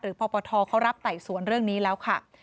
ปปทเขารับไต่สวนเรื่องนี้แล้วค่ะ